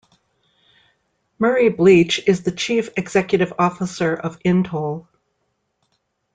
Murray Bleach is the Chief Executive Officer of Intoll.